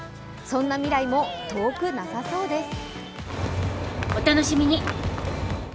そんな未来も遠くなさそうです。